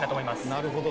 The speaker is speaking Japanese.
なるほど。